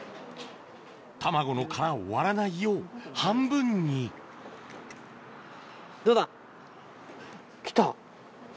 卵の殻を割らないよう半分にどうだ。